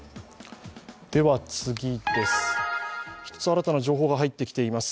１つ新たな情報が入ってきています。